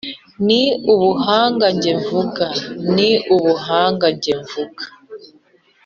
ni ubuhanga njye mvuga , ni ubuhanga njye mvuga ,